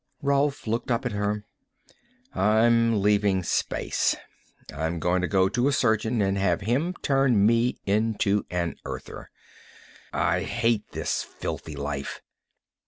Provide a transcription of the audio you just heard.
Rolf looked up at her. "I'm leaving space. I'm going to go to a surgeon and have him turn me into an Earther. I hate this filthy life!"